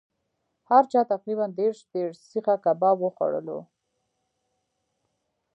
هر چا تقریبأ دېرش دېرش سیخه کباب وخوړلو.